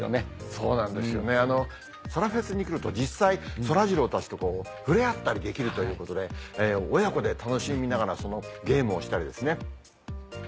そうなんですよねそらフェスに来ると実際そらジローたちと触れ合ったりできるということで親子で楽しみながらゲームをしたりですね。